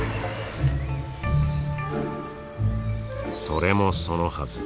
それもそのはず。